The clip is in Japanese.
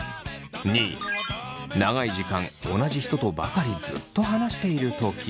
２位長い時間同じ人とばかりずっと話しているとき。